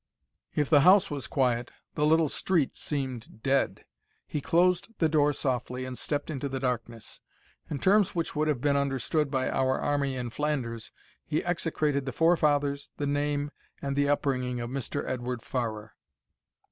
If the house was quiet, the little street seemed dead. He closed the door softly and stepped into the darkness. In terms which would have been understood by "our army in Flanders" he execrated the forefathers, the name, and the upbringing of Mr. Edward Farrer.